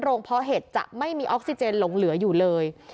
เพาะเห็ดจะไม่มีออกซิเจนหลงเหลืออยู่เลย